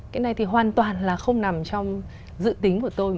cái này thì hoàn toàn là không nằm trong dự tính của tôi